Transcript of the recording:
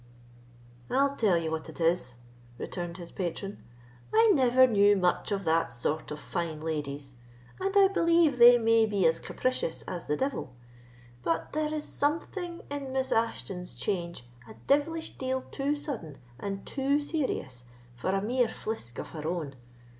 "I'll tell you what it is," returned his patron, "I never knew much of that sort of fine ladies, and I believe they may be as capricious as the devil; but there is something in Miss Ashton's change a devilish deal too sudden and too serious for a mere flisk of her own.